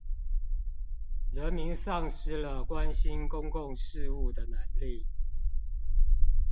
人民喪失了關心公共事務的能力